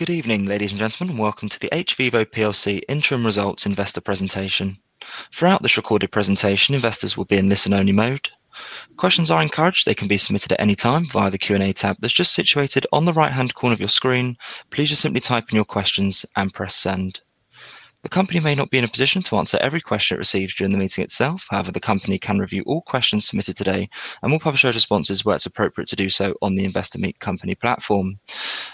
Good evening, ladies and gentlemen. Welcome to the hVIVO PLC Interim Results Investor Presentation. Throughout this recorded presentation, investors will be in listen-only mode. Questions are encouraged, they can be submitted at any time via the Q&A tab that's just situated on the right-hand corner of your screen. Please just simply type in your questions and press send. The company may not be in a position to answer every question it receives during the meeting itself. However, the company can review all questions submitted today and will publish those responses where it's appropriate to do so on the Investor Meet Company platform.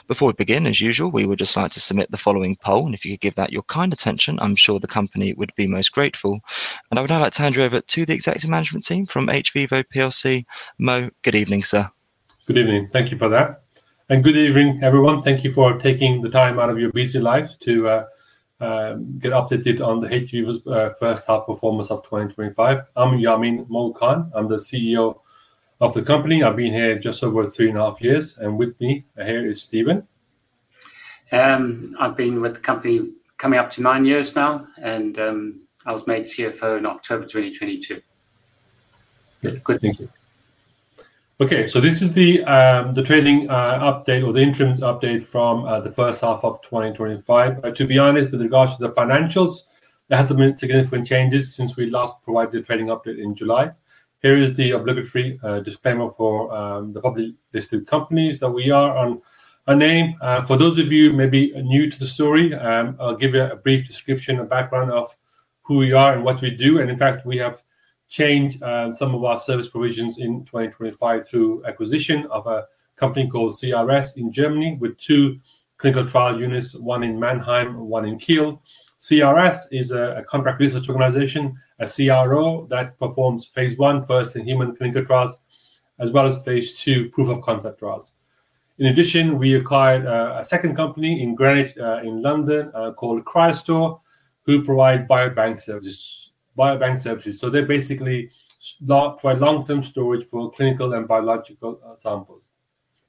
Before we begin, as usual, we would just like to submit the following poll. If you could give that your kind attention, I'm sure the company would be most grateful. I would now like to hand you over to the executive management team from hVIVO PLC, Mo. Good evening, sir. Good evening. Thank you for that. Good evening, everyone. Thank you for taking the time out of your busy lives to get updated on hVIVO's first half performance of 2025. I'm Yamin 'Mo' Khan. I'm the CEO of the company. I've been here just over three and a half years, and with me here is Stephen. I've been with the company coming up to nine years now, and I was made CFO in October 2022. Good. Thank you. Okay, this is the trading update or the interims update from the first half of 2025. To be honest, with regards to the financials, there have been significant changes since we last provided the trading update in July. Here is the obligatory disclaimer for the publicly listed companies that we are a name. For those of you maybe new to the story, I'll give you a brief description of background of who we are and what we do. In fact, we have changed some of our service provisions in 2025 through acquisition of a company called CRS in Germany, with two clinical trial units, one in Mannheim and one in Kiel. CRS is a contract research organization, a CRO that performs phase I, first in human clinical trials, as well as phase II, proof of concept trials. In addition, we acquired a second company in London, called Cryostore, who provides biobank services. They're basically for long-term storage for clinical and biological samples.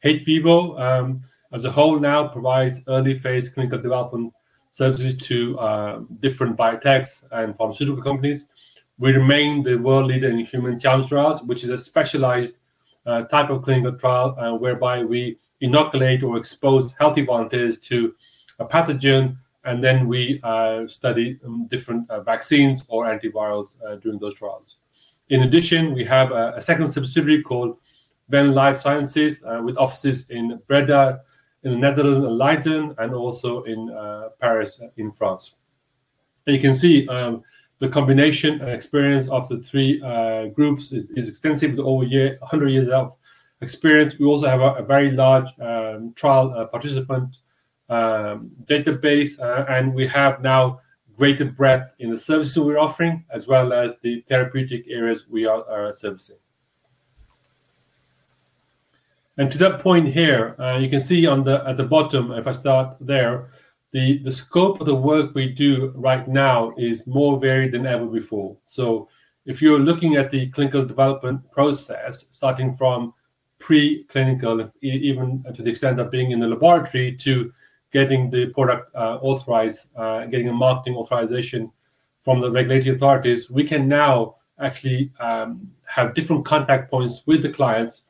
hVIVO, as a whole, now provides early-phase clinical development services to different biotechs and pharmaceutical companies. We remain the world leader in human challenge clinical trials, which is a specialized type of clinical trial whereby we inoculate or expose healthy volunteers to a pathogen, and then we study different vaccines or antivirals during those trials. In addition, we have a second subsidiary called Venn Life Sciences, with offices in Breda in the Netherlands, in Leiden, and also in Paris in France. You can see the combination of experience of the three groups is extensive, over 100 years of experience. We also have a very large trial participant database, and we have now greater breadth in the services we're offering, as well as the therapeutic areas we are servicing. To that point here, you can see at the bottom, if I start there, the scope of the work we do right now is more varied than ever before. If you're looking at the clinical development process, starting from pre-clinical, even to the extent of being in the laboratory, to getting the product authorized, getting a marketing authorization from the regulatory authorities, we can now actually have different contact points with the clients,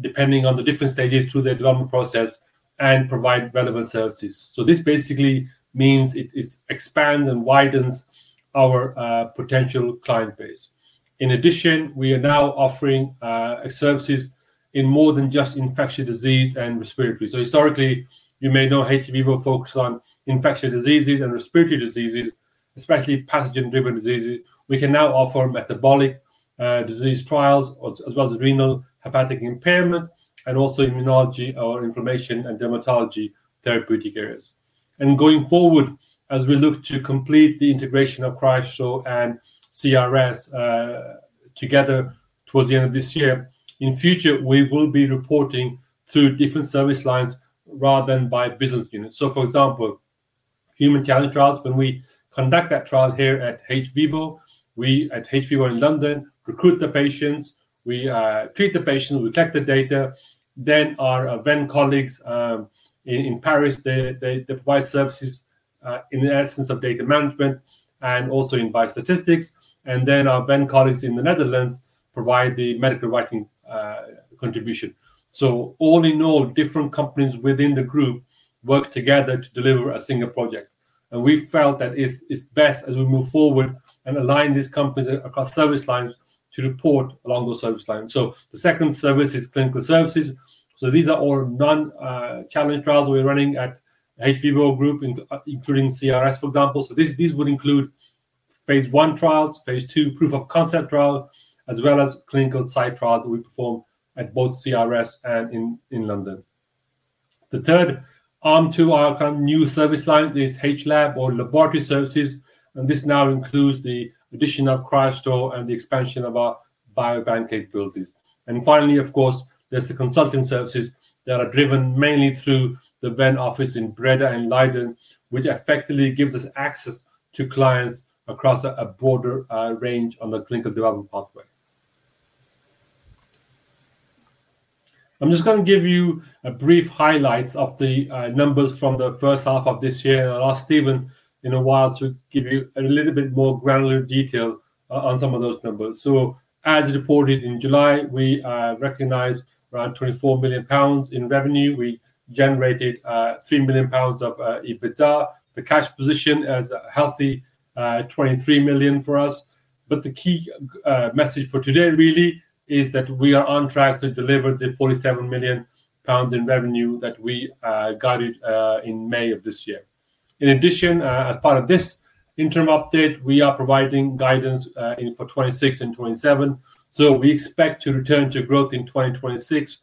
depending on the different stages through their development process, and provide relevant services. This basically means it expands and widens our potential client base. In addition, we are now offering services in more than just infectious disease and respiratory. Historically, you may know hVIVO focused on infectious diseases and respiratory diseases, especially pathogen-driven diseases. We can now offer metabolic disease trials, as well as renal, hepatic impairment, and also immunology or inflammation and dermatology therapeutic areas. Going forward, as we look to complete the integration of Cryostore and CRS together towards the end of this year, in the future, we will be reporting through different service lines rather than by business units. For example, human challenge trials, when we conduct that trial here at hVIVO, we at hVIVO in London recruit the patients, we treat the patients, we take the data, then our Venn colleagues in Paris provide services in the essence of data management and also in biostatistics. Our Venn colleagues in the Netherlands provide the medical writing contribution. All in all, different companies within the group work together to deliver a single project. We felt that it's best as we move forward and align these companies across service lines to report along those service lines. The second service is clinical services. These are all non-challenge trials we're running at hVIVO group, including CRS, for example. These would include phase I trials, phase II proof of concept trials, as well as clinical site trials that we perform at both CRS and in London. The third arm to our new service line is hLAB or laboratory services. This now includes the addition of Cryostore and the expansion of our biobank capabilities. Finally, of course, there's the consulting services that are driven mainly through the Venn office in Breda and Leiden, which effectively gives us access to clients across a broader range on the clinical development pathway. I'm just going to give you a brief highlight of the numbers from the first half of this year. I'll ask Stephen in a while to give you a little bit more granular detail on some of those numbers. As reported in July, we recognized around 24 million pounds in revenue. We generated 3 million pounds of EBITDA. The cash position is healthy, 23 million for us. The key message for today really is that we are on track to deliver the 47 million pounds in revenue that we guided in May of this year. In addition, as part of this interim update, we are providing guidance for 2026 and 2027. We expect to return to growth in 2026,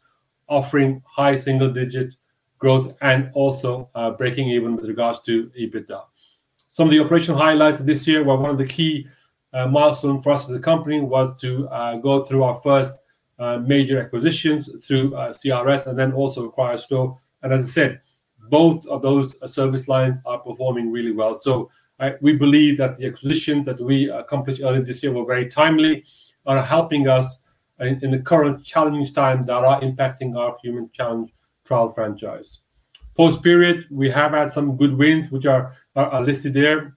offering high single-digit growth and also breaking even with regards to EBITDA. Some of the operational highlights of this year, one of the key milestones for us as a company was to go through our first major acquisitions through CRS and then also acquire Cryostore. As I said, both of those service lines are performing really well. We believe that the acquisitions that we accomplished early this year were very timely and are helping us in the current challenging times that are impacting our human challenge clinical trials franchise. Post-period, we have had some good wins, which are listed there.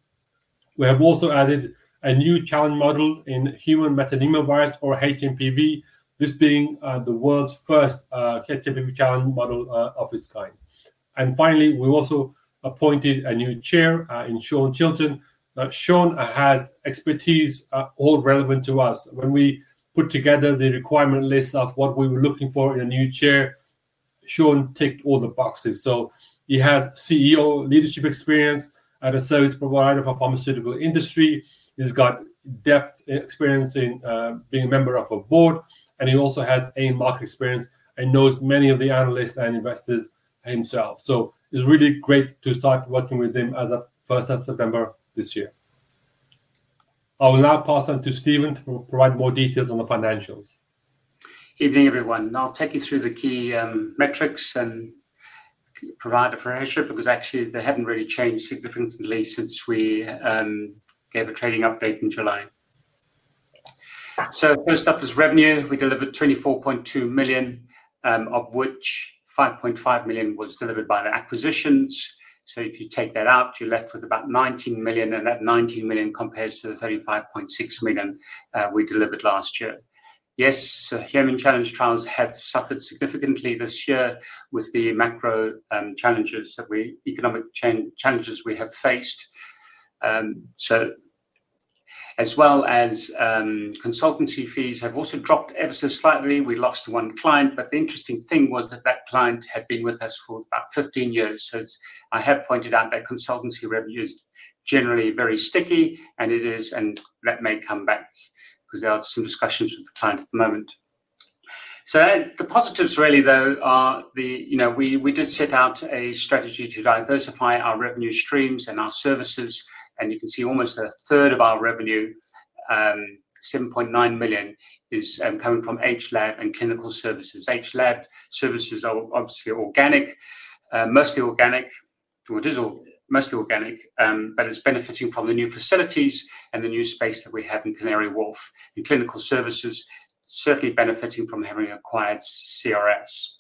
We have also added a new challenge model in human metapneumovirus or hMPV, this being the world's first hMPV challenge model of its kind. Finally, we also appointed a new Chair in Shaun Chilton. Shaun has expertise all relevant to us. When we put together the requirement list of what we were looking for in a new Chair, Shaun ticked all the boxes. He has CEO leadership experience at a service provider for the pharmaceutical industry. He's got depth experience in being a member of a board, and he also has market experience and knows many of the analysts and investors himself. It's really great to start working with him as of September, this year. I'll now pass on to Stephen, who will provide more details on the financials. Evening, everyone. I'll take you through the key metrics and provide the financials because actually they haven't really changed significantly since we gave a trading update in July. First up is revenue. We delivered 24.2 million, of which 5.5 million was delivered by the acquisitions. If you take that out, you're left with about 19 million, and that 19 million compares to the 35.6 million we delivered last year. Yes, human challenge clinical trials have suffered significantly this year with the macroeconomic challenges that we, economic challenges we have faced. Consultancy fees have also dropped ever so slightly. We lost one client, but the interesting thing was that that client had been with us for about 15 years. I have pointed out that consultancy revenue is generally very sticky, and it is, and that may come back because there are some discussions with the client at the moment. The positives really, though, are the, you know, we did set out a strategy to diversify our revenue streams and our services. You can see almost 1/3 of our revenue, 7.9 million, is coming from hLAB and clinical services. hLAB services are obviously mostly organic, but it's benefiting from the new facilities and the new space that we have in Canary Wharf in clinical services, certainly benefiting from having acquired CRS.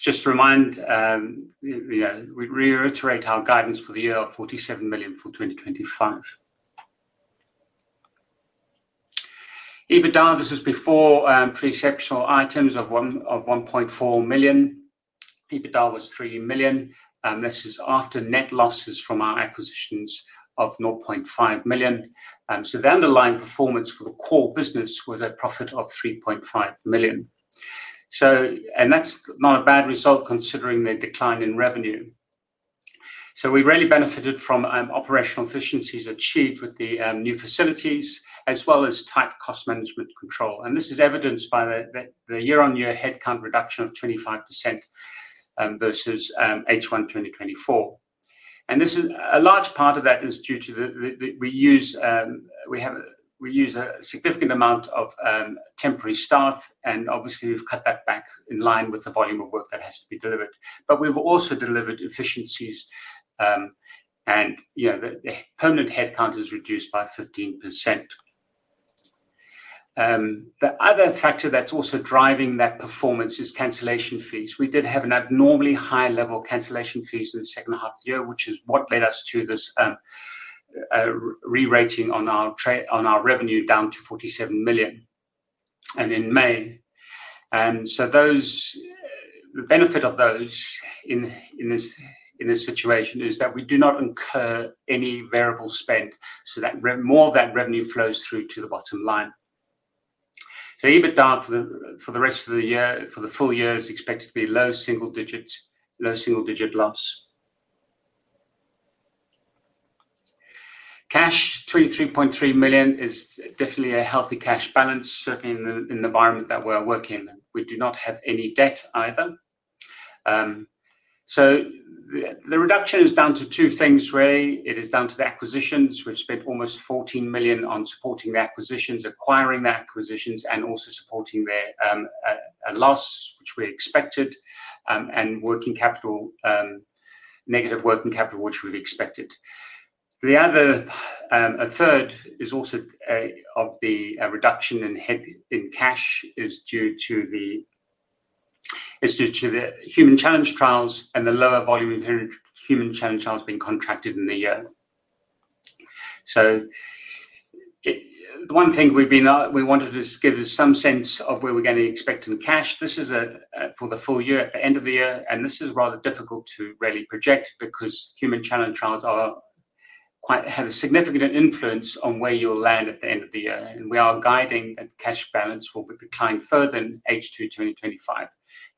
Just to remind, we reiterate our guidance for the year of 47 million for 2025. EBITDA, this is before pre-exceptional items of 1.4 million. EBITDA was 3 million. This is after net losses from our acquisitions of 0.5 million. The underlying performance for the core business was a profit of 3.5 million, and that's not a bad result considering the decline in revenue. We really benefited from operational efficiencies achieved with the new facilities, as well as tight cost management control. This is evidenced by the year-on-year headcount reduction of 25% versus H1 2024. A large part of that is due to that we use, we have a significant amount of temporary staff, and obviously we've cut that back in line with the volume of work that has to be delivered. We've also delivered efficiencies, and the permanent headcount is reduced by 15%. The other factor that's also driving that performance is cancellation fees. We did have an abnormally high level of cancellation fees in the second half of the year, which is what led us to this re-rating on our revenue down to 47 million in May. The benefit of those in this situation is that we do not incur any variable spend, so that more of that revenue flows through to the bottom line. EBITDA for the rest of the year, for the full year, is expected to be low single digit loss. Cash, 23.3 million, is definitely a healthy cash balance, certainly in the environment that we're working in. We do not have any debt either. The reduction is down to two things, [Ray] It is down to the acquisitions. We've spent almost 14 million on supporting the acquisitions, acquiring the acquisitions, and also supporting a loss, which we expected, and working capital, negative working capital, which we expected. A third of the reduction in cash is due to the human challenge clinical trials and the lower volume of human challenge clinical trials being contracted in the year. The one thing we wanted to give you some sense of is where we're going to be expecting cash, this is for the full year, at the end of the year, and this is rather difficult to really project because human challenge clinical trials have a significant influence on where you'll land at the end of the year. We are guiding a cash balance forward with declining further in H2 2025.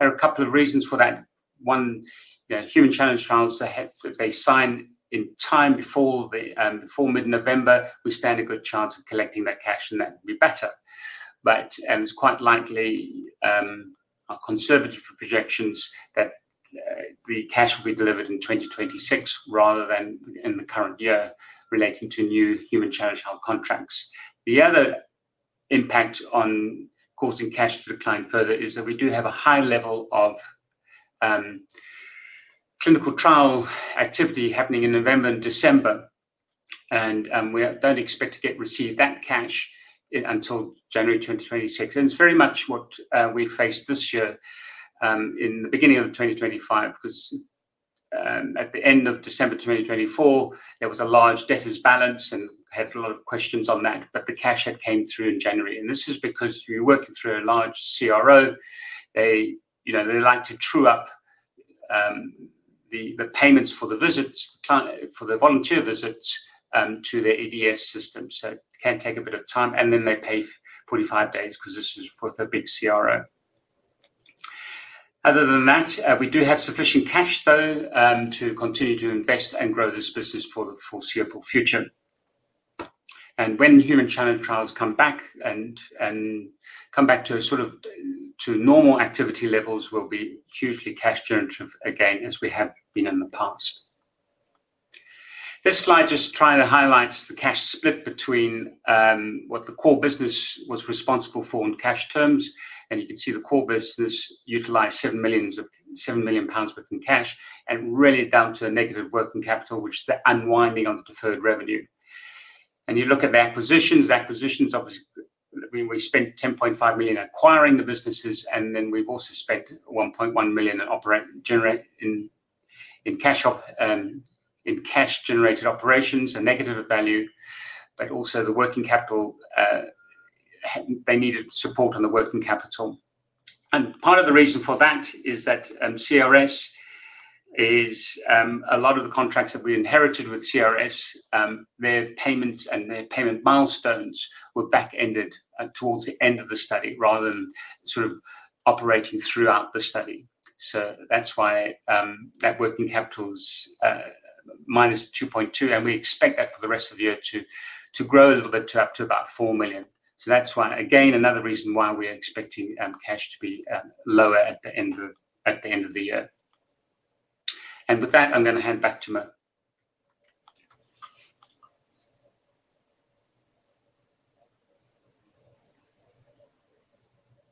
There are a couple of reasons for that. One, human challenge clinical trials, if they sign in time before mid-November, we stand a good chance of collecting that cash, and that would be better. It's quite likely, our conservative projections, that the cash will be delivered in 2026 rather than in the current year relating to new human challenge clinical trial contracts. The other impact on causing cash to decline further is that we do have a high level of clinical trial activity happening in November and December. We don't expect to receive that cash until January 2026. It's very much what we faced this year in the beginning of 2025 because at the end of December 2024, there was a large debtors' balance and had a lot of questions on that, but the cash had come through in January. This is because you're working through a large CRO. They like to true up the payments for the visits, for the volunteer visits to their EDS system. It can take a bit of time, and then they pay 45 days because this is for the big CRO. Other than that, we do have sufficient cash, though, to continue to invest and grow this business for the foreseeable future. When human challenge clinical trials come back and come back to a sort of normal activity levels, we'll be hugely cash-generative again, as we have been in the past. This slide just highlights the cash split between what the core business was responsible for in cash terms. You can see the core business utilized 7 million pounds of working cash and really down to a negative working capital, which is the unwinding of deferred revenue. You look at the acquisitions. The acquisitions, obviously, I mean, we spent 10.5 million acquiring the businesses, and then we've also spent 1.1 million in cash-generated operations, a negative value, but also the working capital, they needed support on the working capital. Part of the reason for that is that CRS is a lot of the contracts that we inherited with CRS, their payments and their payment milestones were back-ended towards the end of the study rather than sort of operating throughout the study. That's why that working capital is minus 2.2 million, and we expect that for the rest of the year to grow a little bit to up to about 4 million. That's one, again, another reason why we are expecting cash to be lower at the end of the year. With that, I'm going to hand back to Mo.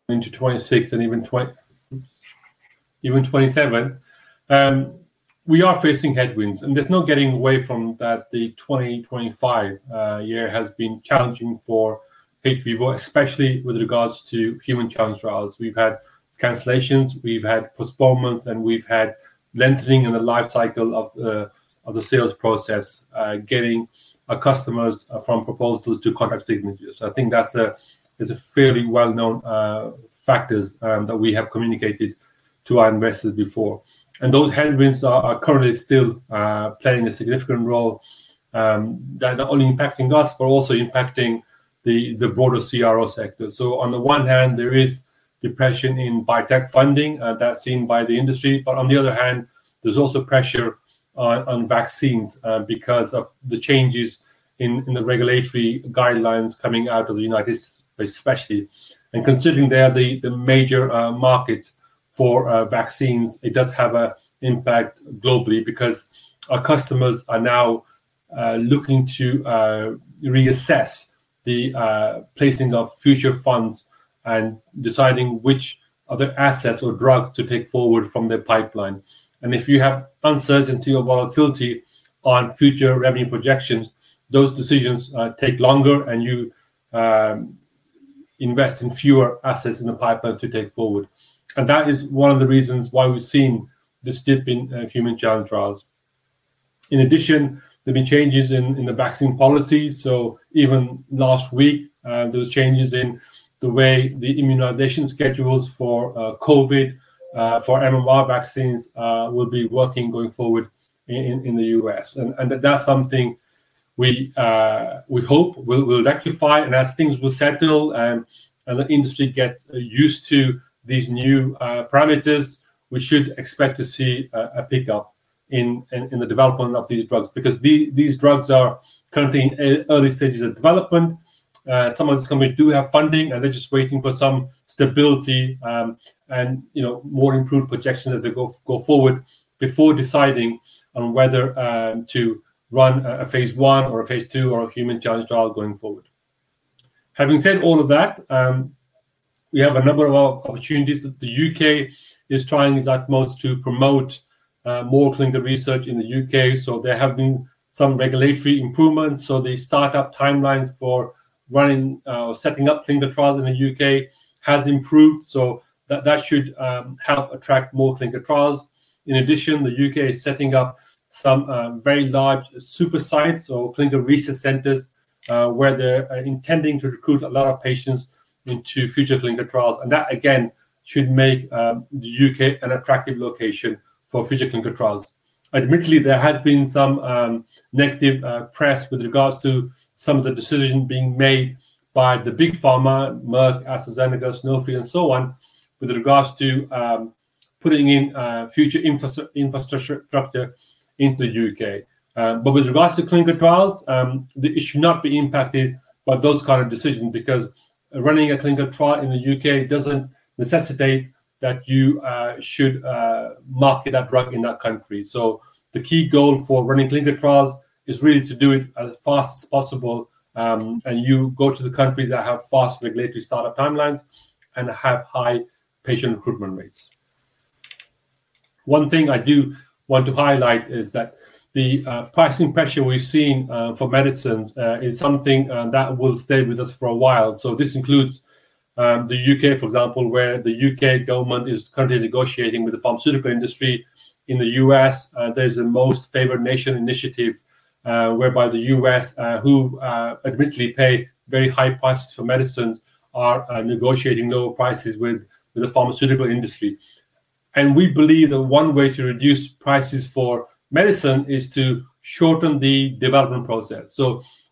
Into 2026 and even 2027, we are facing headwinds, and there's no getting away from that. The 2025 year has been challenging for hVIVO, especially with regards to human challenge clinical trials. We've had cancellations, we've had postponements, and we've had lengthening in the lifecycle of the sales process, getting our customers from proposals to contract signatures. I think that's a fairly well-known factor that we have communicated to our investors before. Those headwinds are currently still playing a significant role that are not only impacting us, but also impacting the broader CRO sector. On the one hand, there is depression in biotech funding that's seen by the industry, but on the other hand, there's also pressure on vaccines because of the changes in the vaccine regulatory guidelines coming out of the U.S., especially. Considering they are the major markets for vaccines, it does have an impact globally because our customers are now looking to reassess the placing of future funds and deciding which of the assets or drugs to take forward from their pipeline. If you have uncertainty or volatility on future revenue projections, those decisions take longer and you invest in fewer assets in the pipeline to take forward. That is one of the reasons why we've seen this dip in human challenge clinical trials. In addition, there have been changes in the vaccine policy. Even last week, there were changes in the way the immunization schedules for COVID, for MMR vaccines will be working going forward in the U.S. That's something we hope will rectify. As things will settle and the industry gets used to these new parameters, we should expect to see a pickup in the development of these drugs because these drugs are currently in early stages of development. Some of these companies do have funding, and they're just waiting for some stability and more improved projections as they go forward before deciding on whether to run a phase I or a phase II or a human challenge clinical trial going forward. Having said all of that, we have a number of opportunities that the UK is trying its utmost to promote more clinical research in the UK. There have been some regulatory improvements. The startup timelines for running or setting up clinical trials in the UK have improved. That should help attract more clinical trials. In addition, the UK is setting up some very large super sites or clinical research centers where they're intending to recruit a lot of patients into future clinical trials. That, again, should make the UK an attractive location for future clinical trials. Admittedly, there has been some negative press with regards to some of the decisions being made by the big pharma, Merck, AstraZeneca, Sanofi, and so on, with regards to putting in future infrastructure into the UK. With regards to clinical trials, it should not be impacted by those kinds of decisions because running a clinical trial in the UK doesn't necessitate that you should market that drug in that country. The key goal for running clinical trials is really to do it as fast as possible, and you go to the countries that have fast regulatory startup timelines and have high patient recruitment rates. One thing I do want to highlight is that the pricing pressure we've seen for medicines is something that will stay with us for a while. This includes the UK, for example, where the UK government is currently negotiating with the pharmaceutical industry. In the U.S., there's the most favored nation initiative whereby the U.S., who admittedly pay very high prices for medicines, are negotiating low prices with the pharmaceutical industry. We believe that one way to reduce prices for medicine is to shorten the development process.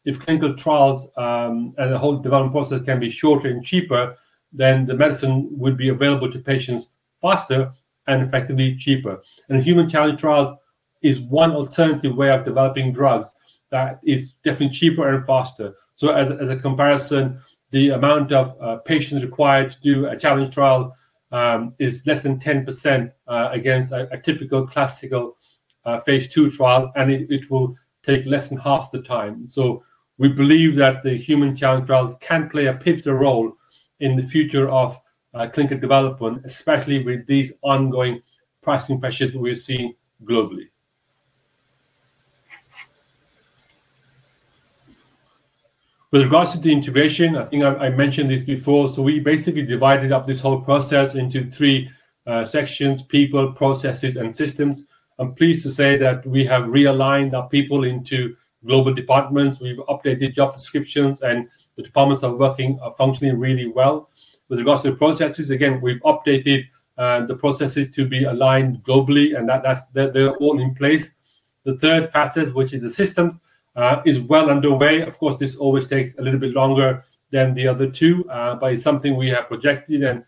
If clinical trials and the whole development process can be shorter and cheaper, then the medicine would be available to patients faster and effectively cheaper. Human challenge clinical trials is one alternative way of developing drugs that is definitely cheaper and faster. As a comparison, the amount of patients required to do a challenge trial is less than 10% against a typical classical phase II trial, and it will take less than half the time. We believe that the human challenge can play a pivotal role in the future of clinical development, especially with these ongoing pricing pressures that we see globally. With regards to the integration, I think I mentioned this before. We basically divided up this whole process into three sections: people, processes, and systems. I'm pleased to say that we have realigned our people into global departments. We've updated job descriptions, and the departments are working functionally really well. With regards to the processes, again, we've updated the processes to be aligned globally, and that they're all in place. The third facet, which is the systems, is well underway. Of course, this always takes a little bit longer than the other two, but it's something we have projected, and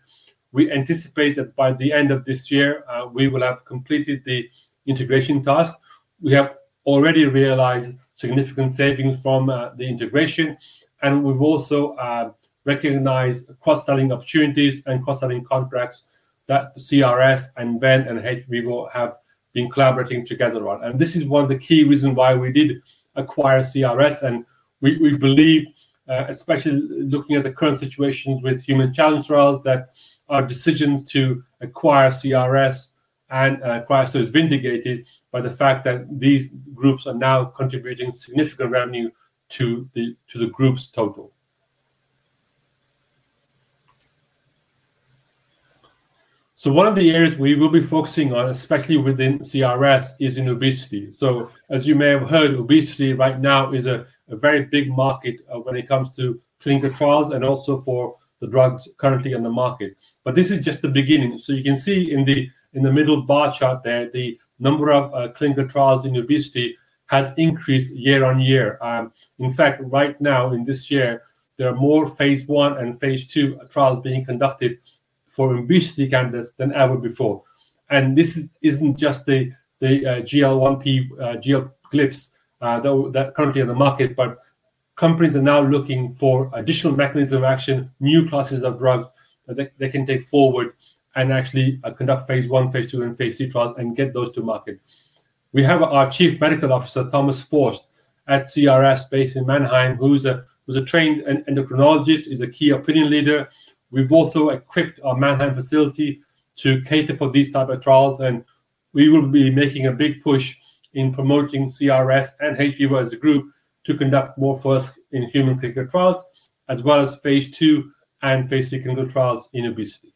we anticipate that by the end of this year, we will have completed the integration task. We have already realized significant savings from the integration, and we've also recognized cross-selling opportunities and cross-selling contracts that CRS and Venn and hVIVO have been collaborating together on. This is one of the key reasons why we did acquire CRS. We believe, especially looking at the current situation with human challenge clinical trials, that our decision to acquire CRS was vindicated by the fact that these groups are now contributing significant revenue to the group's total. One of the areas we will be focusing on, especially within CRS, is in obesity. As you may have heard, obesity right now is a very big market when it comes to clinical trials and also for the drugs currently in the market. This is just the beginning. You can see in the middle bar chart there, the number of clinical trials in obesity has increased year-on-year. In fact, right now in this year, there are more phase I and phase II trials being conducted for obesity candidates than ever before. This isn't just the GLP-1s that are currently in the market, but companies are now looking for additional mechanisms of action, new classes of drugs that they can take forward and actually conduct phase I, phase II, and phase III trials and get those to market. We have our Chief Medical Officer, Thomas Forst, at CRS based in Mannheim, who is a trained endocrinologist and is a key opinion leader. We've also equipped our Mannheim facility to cater for these types of trials, and we will be making a big push in promoting CRS and hVIVO as a group to conduct more first in human clinical trials, as well as phase II and phase III clinical trials in obesity.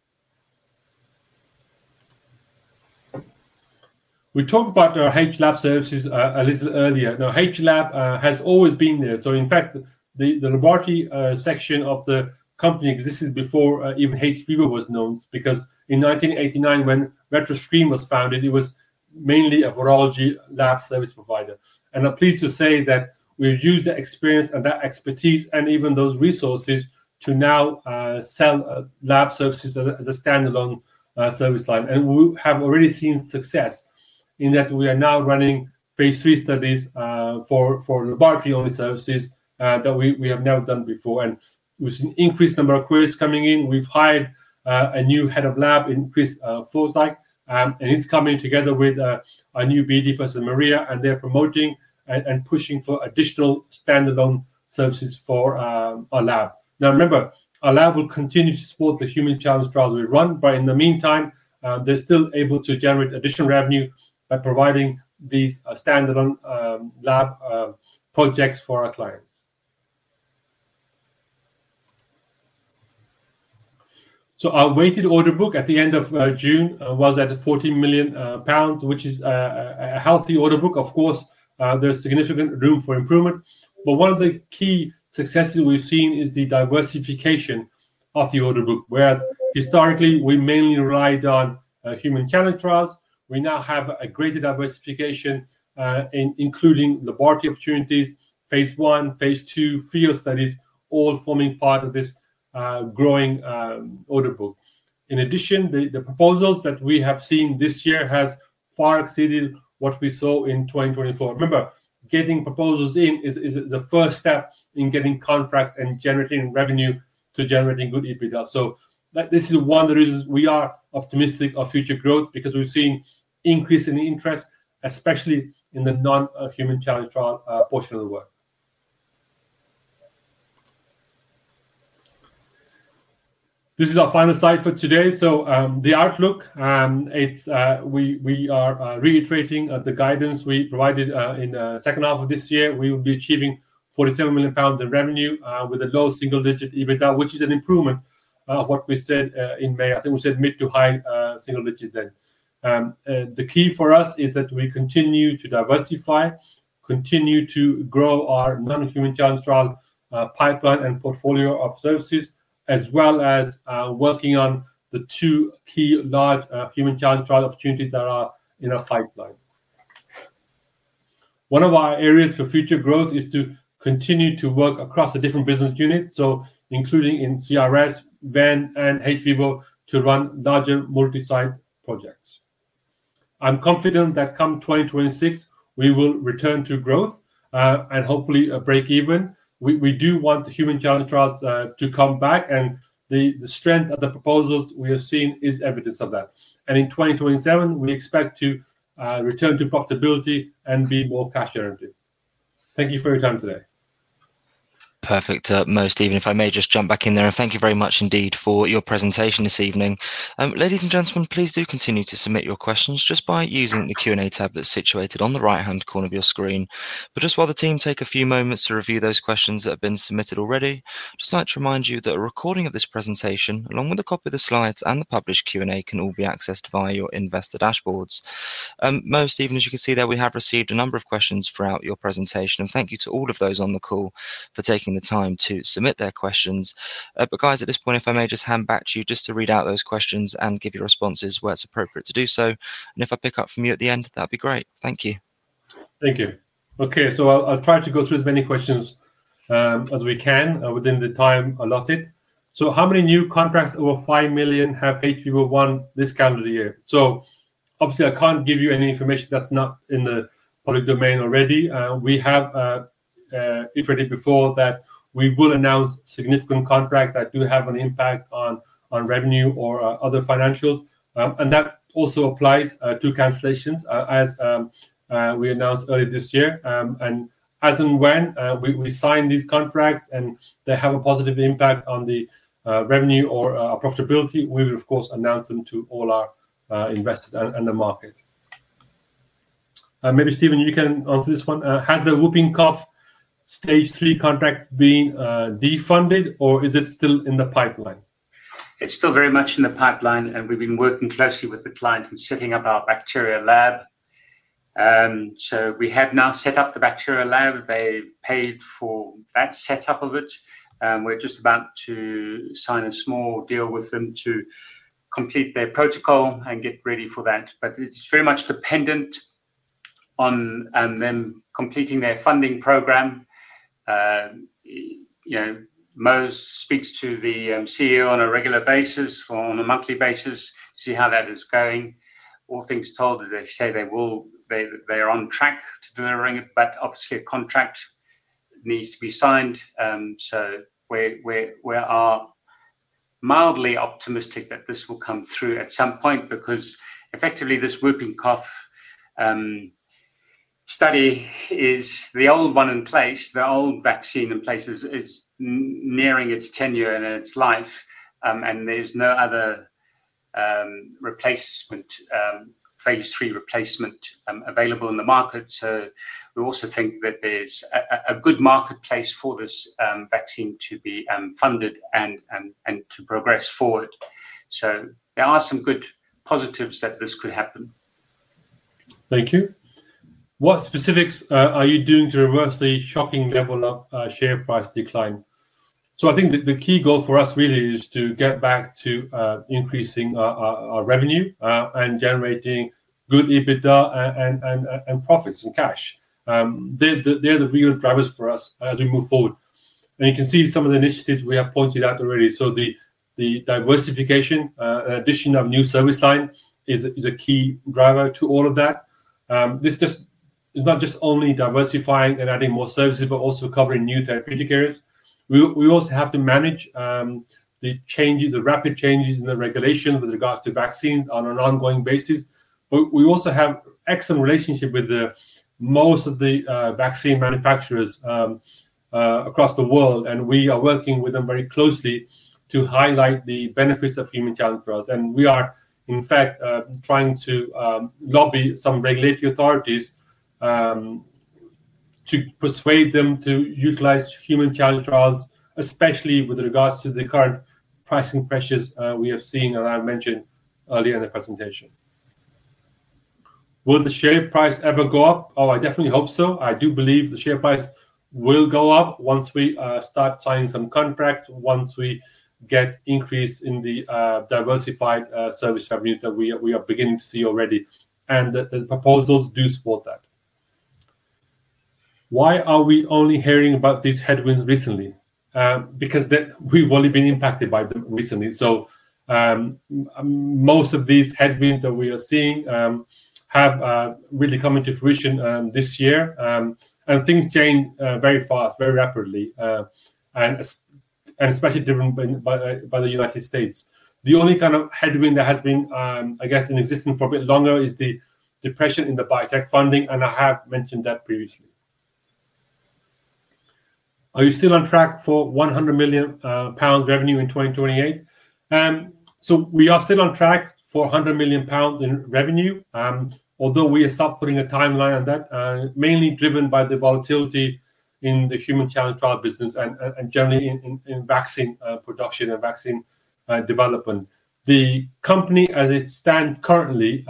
We talked about our hLAB services a little earlier. Now, hLAB has always been there. In fact, the laboratory section of the company existed before even hVIVO was known because in 1989, when Retroscreen was founded, it was mainly a virology laboratory services provider. I'm pleased to say that we've used that experience and that expertise and even those resources to now sell laboratory services as a standalone service line. We have already seen success in that we are now running phase III studies for laboratory-only services that we have never done before. We have seen an increased number of queries coming in. We have hired a new Head of Lab, Chris Forsdyke, and he is coming together with our new BD person, Maria, and they are promoting and pushing for additional standalone services for our lab. Remember, our lab will continue to support the human challenge clinical trials we run, but in the meantime, they are still able to generate additional revenue by providing these standalone lab projects for our clients. Our weighted order book at the end of June was at 40 million pounds, which is a healthy order book. There is significant room for improvement. One of the key successes we have seen is the diversification of the order book. Whereas historically, we mainly relied on human challenge clinical trials, we now have a greater diversification including laboratory opportunities, phase I, phase II, field studies, all forming part of this growing order book. In addition, the proposals that we have seen this year have far exceeded what we saw in 2024. Getting proposals in is the first step in getting contracts and generating revenue to generating good EBITDA. This is one of the reasons we are optimistic of future growth because we are seeing increase in interest, especially in the non-human challenge clinical trial portion of the work. This is our final slide for today. The outlook: we are reiterating the guidance we provided in the second half of this year. We will be achieving 47 million pounds of revenue with a low single-digit EBITDA, which is an improvement of what we said in May. I think we said mid to high single-digit then. The key for us is that we continue to diversify, continue to grow our non-human challenge clinical trial pipeline and portfolio of services, as well as working on the two key large human challenge clinical trial opportunities that are in our pipeline. One of our areas for future growth is to continue to work across the different business units, including CRS, Venn, and hVIVO to run larger multi-site projects. I am confident that come 2026, we will return to growth and hopefully a break-even. We do want the human challenge clinical trials to come back, and the strength of the proposals we have seen is evidence of that. In 2027, we expect to return to profitability and be more cash-generative. Thank you for your time today. Perfect. Mo, if I may just jump back in there, and thank you very much indeed for your presentation this evening. Ladies and gentlemen, please do continue to submit your questions just by using the Q&A tab that's situated on the right-hand corner of your screen. While the team take a few moments to review those questions that have been submitted already, I'd just like to remind you that a recording of this presentation, along with a copy of the slides and the published Q&A, can all be accessed via your investor dashboards. Mo, as you can see there, we have received a number of questions throughout your presentation. Thank you to all of those on the call for taking the time to submit their questions. At this point, if I may just hand back to you to read out those questions and give your responses where it's appropriate to do so. If I pick up from you at the end, that'd be great. Thank you. Thank you. Okay, I'll try to go through as many questions as we can within the time allotted. How many new contracts over 5 million have hVIVO won this calendar year? Obviously, I can't give you any information that's not in the public domain already. If we did before, we will announce a significant contract that will have an impact on revenue or other financials. That also applies to cancellations, as we announced earlier this year. As and when we sign these contracts and they have a positive impact on the revenue or profitability, we will, of course, announce them to all our investors and the market. Maybe Stephen, you can answer this one. Has the Whooping Cough stage three contract been defunded or is it still in the pipeline? It's still very much in the pipeline, and we've been working closely with the client on setting up our bacteria lab. We have now set up the bacteria lab. They paid for that setup. We're just about to sign a small deal with them to complete their protocol and get ready for that. It is very much dependent on them completing their funding program. Mo speaks to the CEO on a regular basis, on a monthly basis, to see how that is going. All things told, they say they are on track to delivering it, but obviously a contract needs to be signed. We are mildly optimistic that this will come through at some point because effectively this Whooping Cough study is the old one in place. The old vaccine in place is nearing its tenure and its life, and there's no other phase III replacement available in the market. We also think that there's a good marketplace for this vaccine to be funded and to progress forward. There are some good positives that this could happen. Thank you. What specifics are you doing to reverse the shopping level share price decline? I think the key goal for us really is to get back to increasing our revenue and generating good EBITDA and profits and cash. They're the real drivers for us as we move forward. You can see some of the initiatives we have pointed out already. The diversification, the addition of new service lines is a key driver to all of that. This is not just only diversifying and adding more services, but also covering new therapeutic areas. We also have to manage the rapid changes in the regulations with regards to vaccines on an ongoing basis. We also have an excellent relationship with most of the vaccine manufacturers across the world, and we are working with them very closely to highlight the benefits of human challenge clinical trials. We are, in fact, trying to lobby some regulatory authorities to persuade them to utilize human challenge clinical trials, especially with regards to the current pricing pressures we have seen and I mentioned earlier in the presentation. Will the share price ever go up? I definitely hope so. I do believe the share price will go up once we start signing some contracts, once we get increase in the diversified service revenue that we are beginning to see already. The proposals do support that. Why are we only hearing about these headwinds recently? We've only been impacted by them recently. Most of these headwinds that we are seeing have really come into fruition this year. Things change very fast, very rapidly, and especially driven by the United States. The only kind of headwind that has been, I guess, in existence for a bit longer is the depression in the biotech funding, and I have mentioned that previously. Are you still on track for 100 million pounds revenue in 2028? We are still on track for 1 00 million in revenue, although we are stopped putting a timeline on that, mainly driven by the volatility in the human challenge clinical trial business and generally in vaccine production and vaccine development. The company, as it stands currently,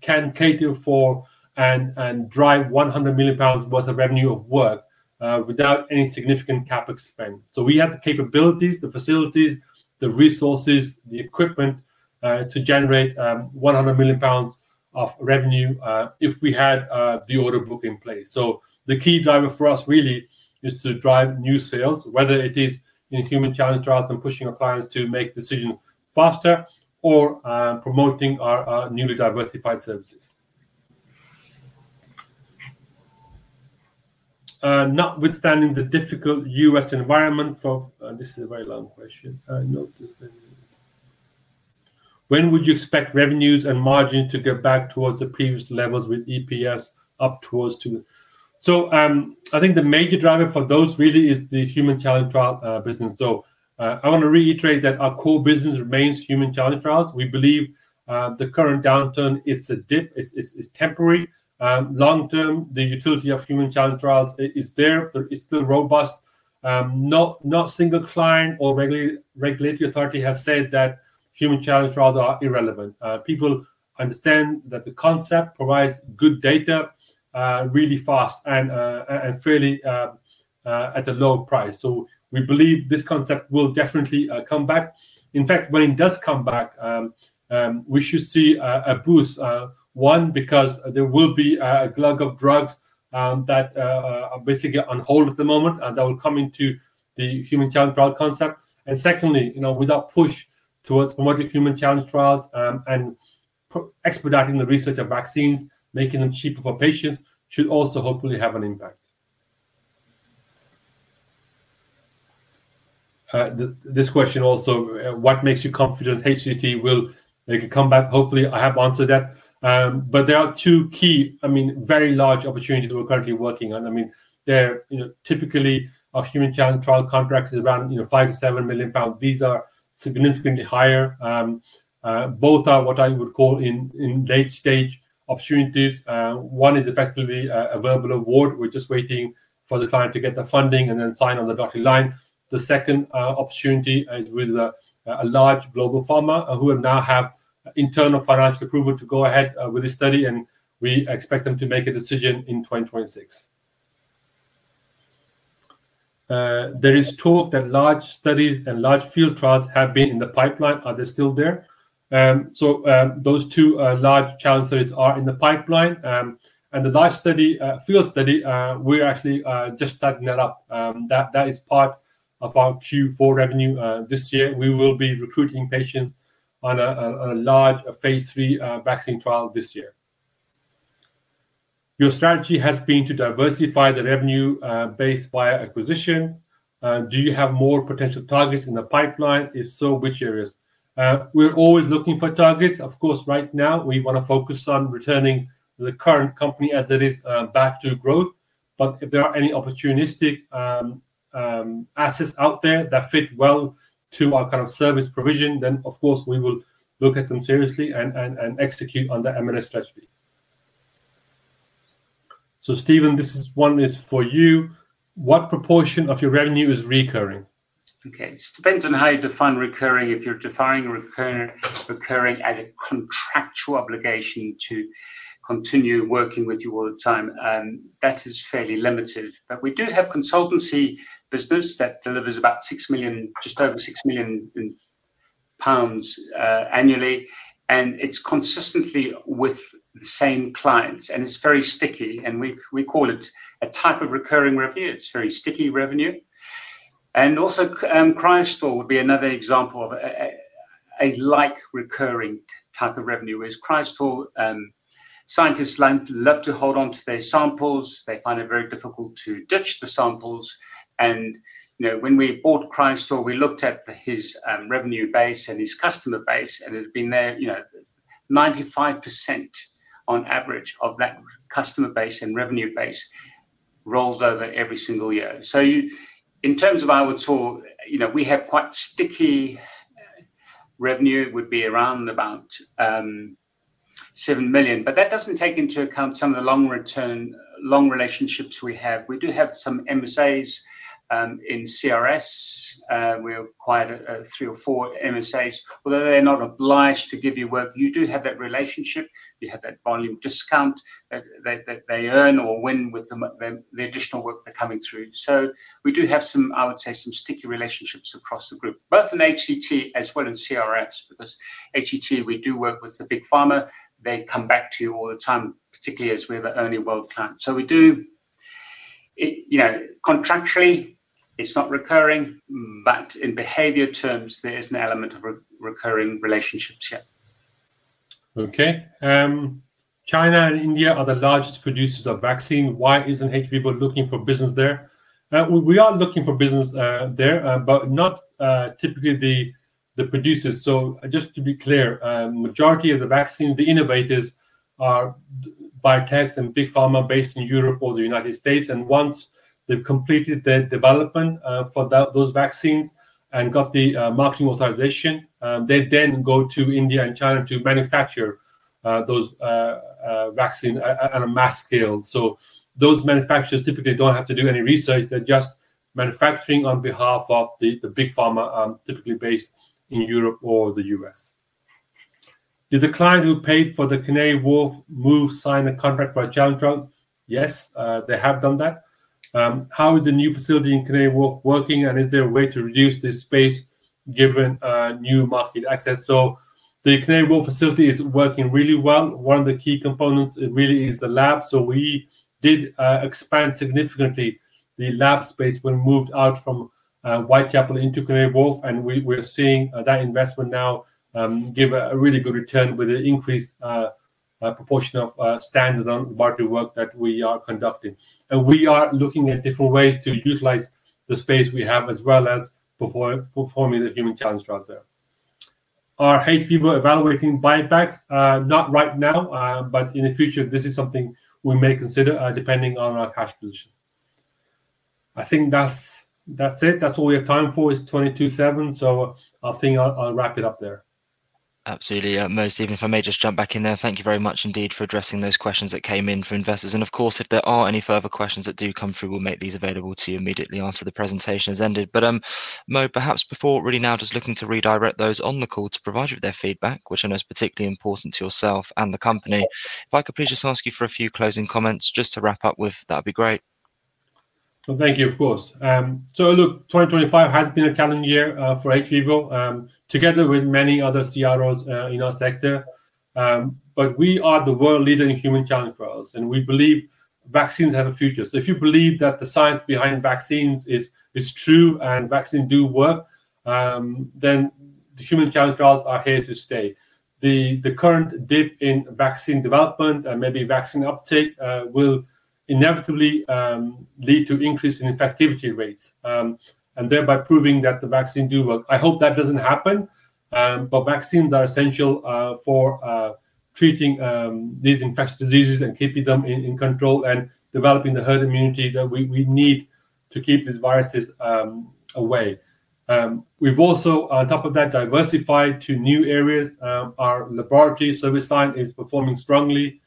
can cater for and drive 100 million pounds worth of revenue of work without any significant CapEx spend. We have the capabilities, the facilities, the resources, the equipment to generate 100 million pounds of revenue if we had the order book in place. The key driver for us really is to drive new sales, whether it is in human challenge trials and pushing our clients to make decisions faster or promoting our newly diversified services. Notwithstanding the difficult U.S. environment for, and this is a very long question, when would you expect revenues and margins to get back towards the previous levels with EPS up towards? I think the major driver for those really is the human challenge trial business. I want to reiterate that our core business remains human challenge trials. We believe the current downturn is a dip, it's temporary. Long term, the utility of human challenge trials is there, but it's still robust. Not a single client or regulatory authority has said that human challenge trials are irrelevant. People understand that the concept provides good data really fast and fairly at a low price. We believe this concept will definitely come back. In fact, when it does come back, we should see a boost. One, because there will be a clog of drugs that are basically on hold at the moment that will come into the human challenge trial concept. Secondly, with our push towards promoting human challenge trials and expediting the research of vaccines, making them cheaper for patients, should also hopefully have an impact. This question also, what makes you confident HCT will make it come back? Hopefully, I have answered that. There are two key, very large opportunities that we're currently working on. Typically, our human challenge trial contracts are around 5 million-7 million pounds. These are significantly higher. Both are what I would call in late-stage opportunities. One is effectively a verbal award. We're just waiting for the client to get the funding and then sign on the dotted line. The second opportunity is with a large global pharma who now have internal financial approval to go ahead with this study, and we expect them to make a decision in 2026. There is talk that large studies and large field trials have been in the pipeline. Are they still there? Those two large challenge studies are in the pipeline. The large study, field study, we're actually just starting that up. That is part of our Q4 revenue this year. We will be recruiting patients on a large phase 3 vaccine trial this year. Your strategy has been to diversify the revenue base via acquisition. Do you have more potential targets in the pipeline? If so, which areas? We're always looking for targets. Of course, right now we want to focus on returning the current company as it is back to growth. If there are any opportunistic assets out there that fit well to our kind of service provision, we will look at them seriously and execute on the M&A strategy. Stephen, this one is for you. What proportion of your revenue is recurring? Okay, it depends on how you define recurring. If you're defining recurring as a contractual obligation to continue working with you all the time, that is fairly limited. We do have a consultancy business that delivers about 6 million, just over 6 million pounds annually. It's consistently with the same clients, and it's very sticky. We call it a type of recurring revenue. It's very sticky revenue. Cryostore would be another example of a recurring type of revenue. Cryostore, scientists love to hold on to their samples. They find it very difficult to ditch the samples. When we bought Cryostore, we looked at its revenue base and its customer base, and it had been there, you know, 95% on average of that customer base and revenue base rolls over every single year. In terms of our total, we have quite sticky revenue, would be around about 7 million. That doesn't take into account some of the long-term relationships we have. We do have some MSAs in CRS. We acquired three or four MSAs. Although they're not obliged to give you work, you do have that relationship. You have that volume discount that they earn or win with the additional work that's coming through. We do have some, I would say, some sticky relationships across the group, both in hVIVO as well as CRS, because hVIVO, we do work with the big pharma. They come back to you all the time, particularly as we're the only world client. Contractually, it's not recurring, but in behavior terms, there's an element of recurring relationships..Yeah. Okay. China and India are the largest producers of vaccines. Why isn't hVIVO looking for business there? We are looking for business there, but not typically the producers. Just to be clear, the majority of the vaccines, the innovators are biotechs and big pharma based in Europe or the United States. Once they've completed the development for those vaccines and got the marketing authorization, they then go to India and China to manufacture those vaccines at a mass scale. Those manufacturers typically don't have to do any research. They're just manufacturing on behalf of the big pharma, typically based in Europe or the U.S. Did the client who paid for the Canary Wharf move sign a contract for a challenge trial? Yes, they have done that. How is the new facility in Canary Wharf working? Is there a way to reduce this space given new market access? The Canary Wharf facility is working really well. One of the key components really is the lab. We did expand significantly the lab space when we moved out from Whitechapel into Canary Wharf. We're seeing that investment now give a really good return with an increased proportion of standalone laboratory work that we are conducting. We are looking at different ways to utilize the space we have, as well as performing the human challenge trials there. Are hVIVO evaluating biotechs? Not right now, but in the future, this is something we may consider depending on our cash position. I think that's it. That's all we have time for. It's [22:07 P.M.] I think I'll wrap it up there. Absolutely. If I may just jump back in there, thank you very much indeed for addressing those questions that came in for investors. Of course, if there are any further questions that do come through, we'll make these available to you immediately after the presentation has ended. Mo, perhaps before really now, just looking to redirect those on the call to provide you with their feedback, which I know is particularly important to yourself and the company. If I could please just ask you for a few closing comments just to wrap up with, that'd be great. Thank you, of course. Look, 2025 has been a challenging year for hVIVO, together with many other CROs in our sector. We are the world leader in human challenge clinical trials, and we believe vaccines have a future. If you believe that the science behind vaccines is true and vaccines do work, then the human challenge clinical trials are here to stay. The current dip in vaccine development and maybe vaccine uptake will inevitably lead to increase in infectivity rates and thereby proving that the vaccines do work. I hope that doesn't happen, but vaccines are essential for treating these infectious diseases and keeping them in control and developing the herd immunity that we need to keep these viruses away. We've also, on top of that, diversified to new areas. Our laboratory services line is performing strongly.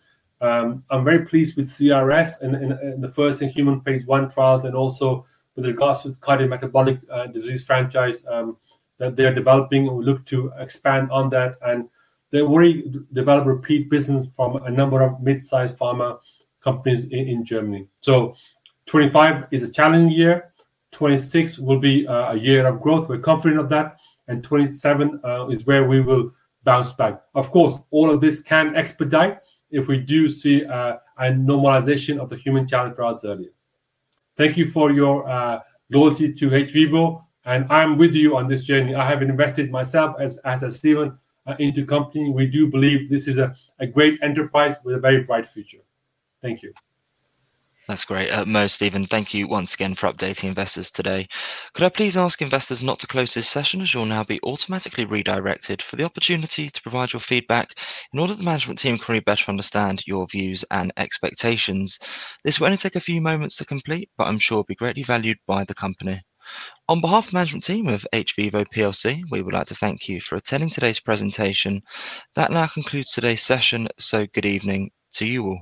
I'm very pleased with CRS and the first in human phase I trials and also with regards to the cardiometabolic disease franchise that they're developing. We look to expand on that, and they already developed repeat business from a number of mid-sized pharma companies in Germany. 2025 is a challenging year. 2026 will be a year of growth. We're confident of that. 2027 is where we will bounce back. Of course, all of this can expedite if we do see a normalization of the human challenge clinical trials earlier. Thank you for your loyalty to hVIVO, and I'm with you on this journey. I have invested myself, as has Stephen, into the company. We do believe this is a great enterprise with a very bright future. Thank you. That's great. Mo, Stephen, thank you once again for updating investors today. Could I please ask investors not to close this session as you'll now be automatically redirected for the opportunity to provide your feedback in order for the management team to better understand your views and expectations? This will only take a few moments to complete, but I'm sure it'll be greatly valued by the company. On behalf of the management team of hVIVO PLC, we would like to thank you for attending today's presentation. That now concludes today's session. Good evening to you all.